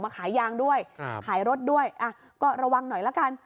ขายยางด้วยขายรถด้วยอ่ะก็ระวังหน่อยละกัน